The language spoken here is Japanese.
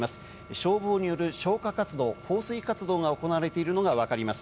消防による消火活動、放水活動が行われているのがわかります。